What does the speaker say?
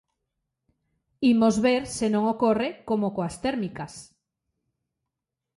Imos ver se non ocorre como coas térmicas.